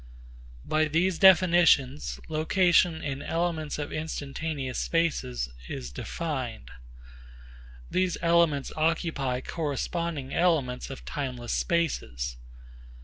By these definitions location in elements of instantaneous spaces is defined. These elements occupy corresponding elements of timeless spaces.